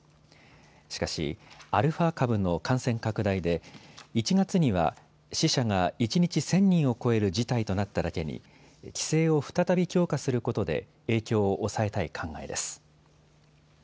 しかしアルファ株の感染拡大で１月には死者が一日１０００人を超える事態となっただけに規制を再び強化することで影響を抑えたい考えです。